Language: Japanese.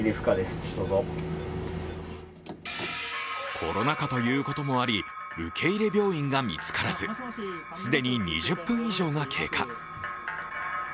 コロナ禍ということもあり、受け入れ病院が見つからず既に２０分以上が経過。